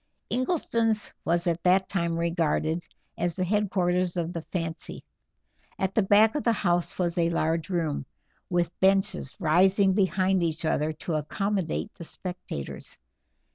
Ingleston's was at that time regarded as the headquarters of the fancy. At the back of the house was a large room, with benches rising behind each other to accommodate the spectators.